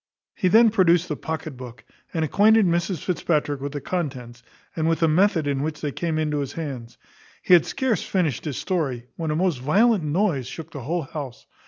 He then produced the pocket book, and acquainted Mrs Fitzpatrick with the contents, and with the method in which they came into his hands. He had scarce finished his story, when a most violent noise shook the whole house.